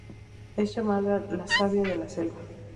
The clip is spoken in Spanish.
Es llamada la savia de la selva.